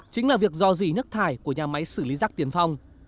chính là việc do dì nước thải của nhà máy xử lý rác tiền phong